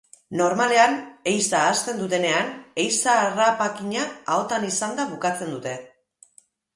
Normalean, ehiza hasten dutenean ehiza harrapakina ahotan izanda bukatzen dute.